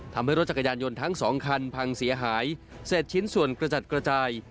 ทำให้รถจักรยานยนต์ทั้งสองคันพังเสียหายเสร็จชิ้นส่วนกระจัดกระจาย